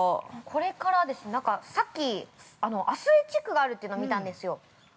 ◆これからさっき、アスレチックがあるっていうの見たんですよ。